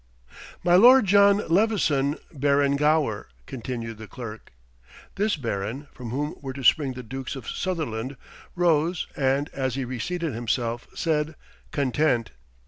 "My Lord John Leveson, Baron Gower," continued the Clerk. This Baron, from whom were to spring the Dukes of Sutherland, rose, and, as he reseated himself, said "Content."